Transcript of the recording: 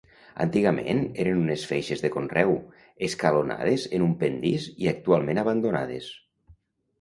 Antigament eren unes feixes de conreu, escalonades en un pendís i actualment abandonades.